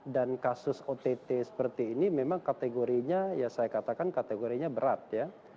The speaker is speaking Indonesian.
dan kasus ott seperti ini memang kategorinya ya saya katakan kategorinya berat ya